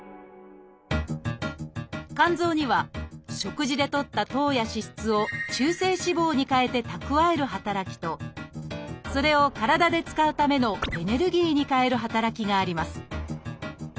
肝臓には食事でとった糖や脂質を中性脂肪に変えて蓄える働きとそれを体で使うためのエネルギーに変える働きがあります。